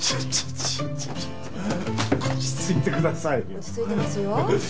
落ち着いてますよ。